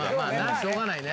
しょうがないね。